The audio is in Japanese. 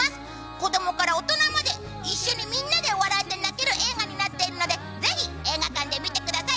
子供から大人まで一緒にみんなで笑えて泣ける映画になっているのでぜひ、映画館で見てください。